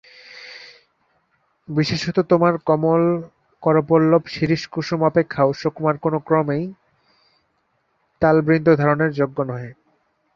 বিশেষত তোমার কোমল করপল্লব শিরীষকুসুম অপেক্ষাও সুকুমার কোন ক্রমেই তালবৃন্তধারণের যোগ্য নহে।